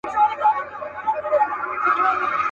د ملالۍ له پلوونو سره لوبي کوي.